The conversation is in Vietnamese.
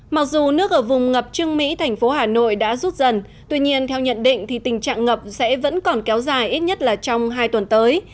mặc dù nước ở vùng ngập trương mỹ thành phố hà nội đã rút dần tuy nhiên theo nhận định thì tình trạng ngập sẽ vẫn còn kéo dài ít nhất là trong hai tuần tới